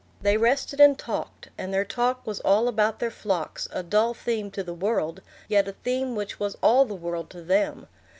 They rested and talked, and their talk was all about their flocks, a dull theme to the world, yet a theme which was all the world to them.